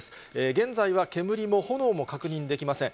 現在は煙も炎も確認できません。